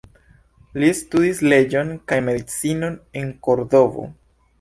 Li studis leĝon kaj medicinon en Kordovo.